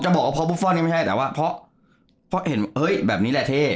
จะบอกว่าพ่อปุ๊บฟ่อนก็ไม่ใช่แต่ว่าพ่อเพราะเห็นเฮ้ยแบบนี้แหละเท่